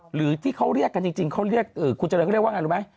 หรือที่เขาเรียกกันจริงคุณเจริญเขาเรียกว่าอย่างไรรู้ไหม